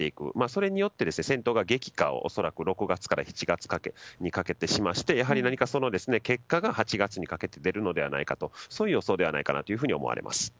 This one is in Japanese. それによって、戦闘が激化を恐らく６月から７月にかけてしましてその結果が８月にかけて出るのではないかとそういう予想ではないかなと思われます。